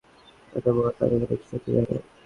এতো বড় তারকা, রিকশা দিয়ে যাবেন?